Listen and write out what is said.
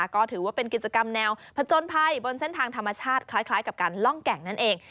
ก็ถือว่าเป็นกิจกรรมแนวผจญภัยบนเส้นทางธรรมชาติคล้ายกับการล่องแก่งนั่นเอง